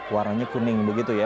warna kuning begitu ya